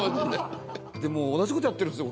でも同じ事やってるんですよ